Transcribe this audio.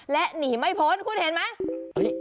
และหนีไม่พ้นคุณเห็นไหม